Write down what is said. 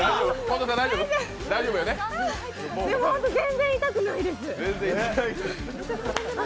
でも全然痛くないです。